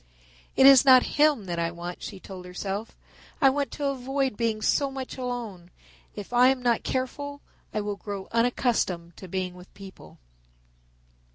"It is not him that I want," she told herself; "I want to avoid being so much alone. If I am not careful I will grow unaccustomed to being with people."